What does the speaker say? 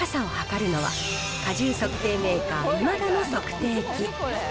柔らかさを測るのは、荷重測定メーカー、イマダの測定器。